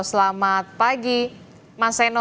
selamat pagi mas seno